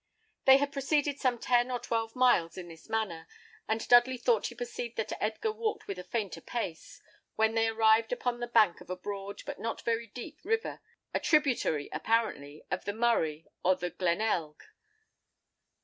They had proceeded some ten or twelve miles in this manner, and Dudley thought he perceived that Edgar walked with a fainter pace, when they arrived upon the bank of a broad but not very deep river, a tributary, apparently, of the Murray or the Glenelg.